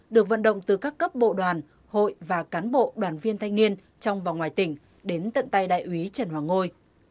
được vận động từ các cấp bộ đoàn hội và cán bộ đoàn viên thanh niên trong và ngoài tỉnh đến tận tay đại úy trần hoàng ngôi